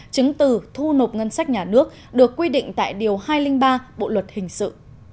chứng từ thu nộp ngân sách nhà nước được quy định tại điều hai trăm linh ba bộ luật hình sự